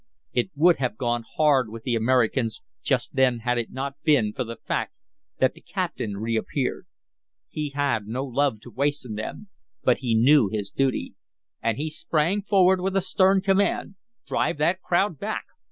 It would have gone hard with the Americans just then had it not been for the fact that the captain reappeared. He had no love to waste on them, but he knew his duty. And he sprang forward with a stern command: "Drive that crowd back!